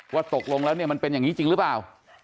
ว่าตกลงแล้วเนี่ยมันเป็นอย่างนี้จริงหรือเปล่า